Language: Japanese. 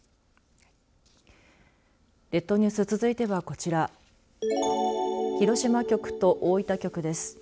列島ニュース続いてはこちら広島局と大分局です。